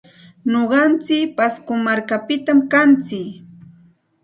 Nuqantsik pasco markapitam kantsik.